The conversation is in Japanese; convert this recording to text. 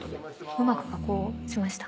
うまく加工しました。